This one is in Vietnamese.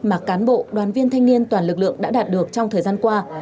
mà cán bộ đoàn viên thanh niên toàn lực lượng đã đạt được trong thời gian qua